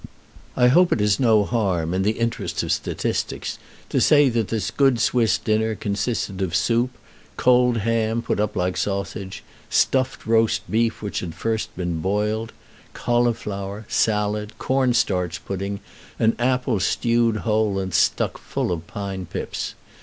I hope it is no harm, in the interest of statistics, to say that this good Swiss dinner consisted of soup, cold ham put up like sausage, stuffed roast beef which had first been boiled, cauliflower, salad, corn starch pudding, and apples stewed whole and stuck full of pine pips.